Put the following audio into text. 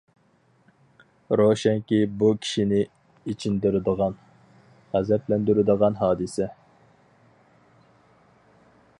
روشەنكى بۇ كىشىنى ئېچىندۇرىدىغان، غەزەپلەندۈرىدىغان ھادىسە!